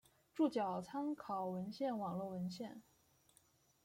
脚注参考文献网络文献